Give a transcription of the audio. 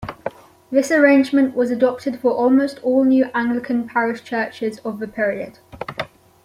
This arrangement was adopted for almost all new Anglican parish churches of the period.